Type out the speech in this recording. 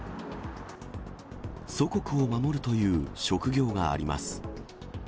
祖国を守るという職業があります。